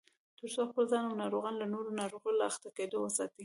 ترڅو خپل ځان او ناروغان له نورو ناروغیو له اخته کېدو وساتي